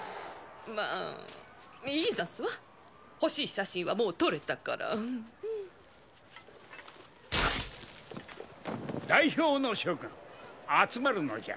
まあいいざんすわ欲しい写真はもう撮れたから代表の諸君集まるのじゃ